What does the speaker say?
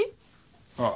ああ。